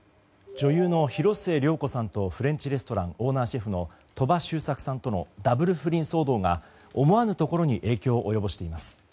女優の広末涼子さんとフレンチレストランオーナーシェフの鳥羽周作さんとのダブル不倫騒動が思わぬところに影響を及ぼしています。